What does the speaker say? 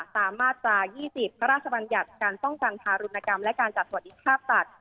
ตามมาตรา๒๐พระราชบัญญัติการป้องกันทารุณกรรมและการจัดสวัสดิภาพสัตว์